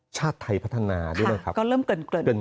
ชาติไทยพัฒนาด้วยก็เริ่มเกิน